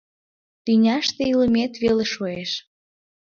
Тӱняште илымет веле шуэш!